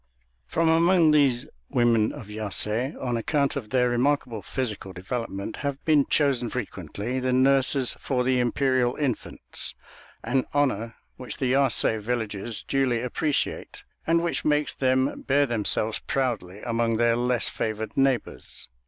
From among these women of Yasé, on account of their remarkable physical development, have been chosen frequently the nurses for the imperial infants; an honor which the Yasé villagers duly appreciate, and which makes them bear themselves proudly among their less favored neighbors.